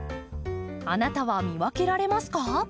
あなたは見分けられますか？